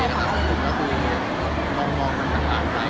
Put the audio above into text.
เพราะผมก็คือมองมันกลับขาดไป